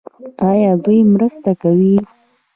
آیا دوی مرسته کوي؟